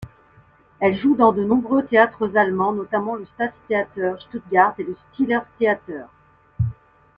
Elle joue dans de nombreux théâtres allemands, notamment le Staatstheater Stuttgart et le Schillertheater.